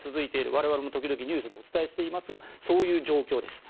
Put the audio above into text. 我々も時々ニュースでお伝えしていますがそういう状況です。